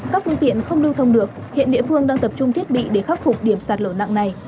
các phương tiện không lưu thông được hiện địa phương đang tập trung thiết bị để khắc phục điểm sạt lở nặng này